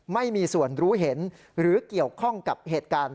ไม่มีส่วนรู้เห็นหรือเกี่ยวข้องกับเหตุการณ์